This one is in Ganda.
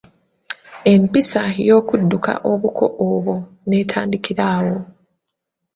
Empisa y'okudduka obuko obwo n'etandikira awo.